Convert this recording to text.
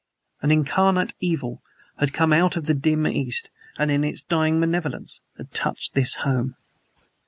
An incarnate evil had come out of the dim East and in its dying malevolence had touched this home.